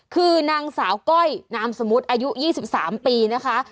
คือนางสาวก้อยนามสมมุติอายุ๒๓ปีนะคะ